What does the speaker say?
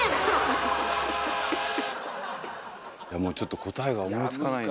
もうちょっと答えが思いつかないんで。